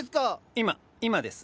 今今です。